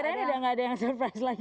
kira kira udah gak ada yang surprise lagi